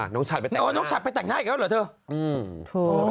น้องชัดไปแต่งหน้าอีกแล้วเหรอเธอ